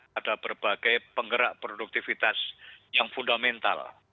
pada berbagai penggerak produktivitas yang fundamental